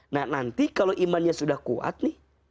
nah nanti kalau imannya sudah kuat nih